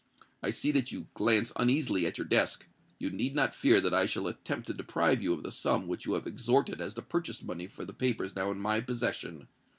I see that you glance uneasily at your desk:—you need not fear that I shall attempt to deprive you of the sum which you have extorted as the purchase money for the papers now in my possession.